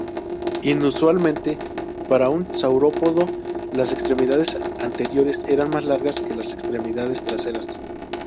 Inusualmente para un saurópodo, las extremidades anteriores eran más largas que las extremidades traseras.